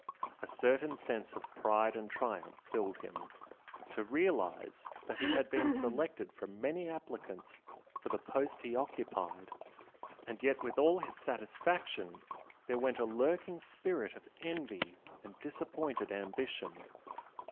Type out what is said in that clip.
A certain sense of pride and triumph filled him, to realise that he had been selected from many applicants for the post he occupied and yet with all his satisfaction there went a lurking spirit of envy and disappointed ambition.